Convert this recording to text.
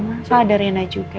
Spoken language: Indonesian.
pasal ada reyna juga